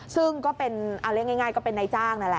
ซึ่งก็เป็นอะไรง่าย๑๐๐๐บาทนะแหละ